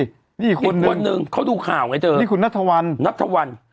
นี่อีกคนนึงเขาถูกข่าวไงเธอนี่คุณนัทธวรรณนัทธวรรณ